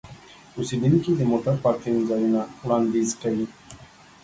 اوسیدونکي د موټر پارکینګ ځایونه وړاندیز کوي.